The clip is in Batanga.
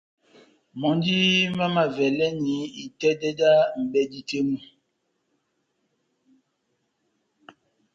Mɔ́ndí mámavalɛ́ni itɛ́dɛ dá m’bɛ́dí mɔmu.